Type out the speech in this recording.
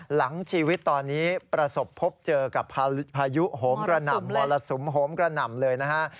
หลังชีวิตตอนนี้ประสบพบเจอกับภายุโฮมกระหน่ำ